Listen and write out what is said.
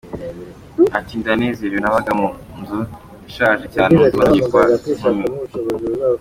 Ati “Ndanezerewe nabaga mu nzu ishaje cyane ubu ndumva nongeye kuba inkumi.